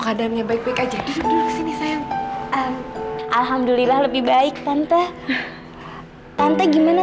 kadangnya baik baik aja diri sini sayang alhamdulillah lebih baik tante tante gimana